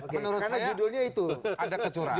menurut saya ada kecurangan